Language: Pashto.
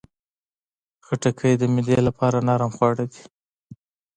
خټکی د معدې لپاره نرم خواړه دي.